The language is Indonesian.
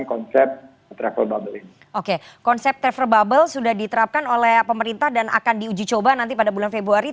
oke konsep travel bubble sudah diterapkan oleh pemerintah dan akan diuji coba nanti pada bulan februari